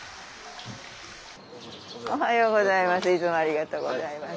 おはようございます。